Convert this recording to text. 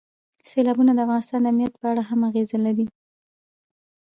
سیلابونه د افغانستان د امنیت په اړه هم اغېز لري.